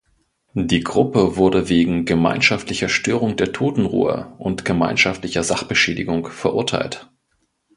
Die Gruppe wurde wegen gemeinschaftlicher Störung der Totenruhe und gemeinschaftlicher Sachbeschädigung verurteilt.